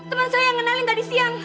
teman saya yang ngenalin tadi siang